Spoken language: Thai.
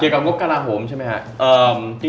เกี่ยวกับงบกระดาษห่มใช่ไหมครับ